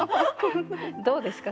どうですか？